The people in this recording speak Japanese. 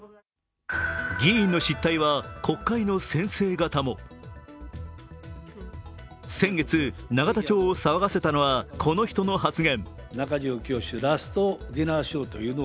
議員の失態は国会の先生方も先月、永田町を騒がせたのはこの人の発言。